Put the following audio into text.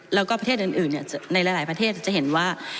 แล้วก็ประเทศอื่นในหลายประเทศจะเห็นว่า